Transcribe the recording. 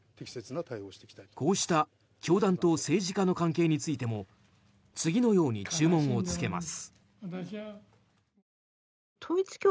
こうした教団と政治家の関係についても次のように注文をつけます。